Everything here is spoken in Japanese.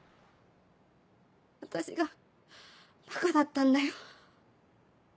私がバカだったんだよ。